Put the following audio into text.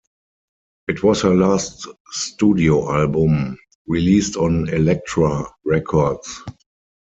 It was her last studio album released on Elektra Records.